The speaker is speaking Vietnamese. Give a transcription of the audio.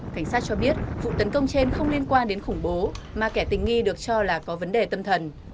cảnh sát cho biết vụ tấn công trên không liên quan đến khủng bố mà kẻ tình nghi được cho là có vấn đề tâm thần